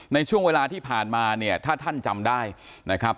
ในช่วงเวลาที่ผ่านมาเนี่ยถ้าท่านจำได้นะครับ